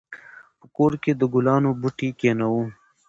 په کور کې د ګلانو بوټي کېنوو.